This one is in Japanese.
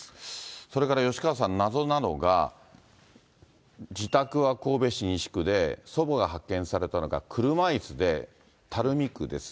それから吉川さん、謎なのが、自宅は神戸市西区で、祖母が発見されたのが車いすで垂水区です。